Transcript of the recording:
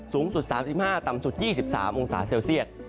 สูงสุด๓๕ต่ำสุด๒๓องศาเซลเซียต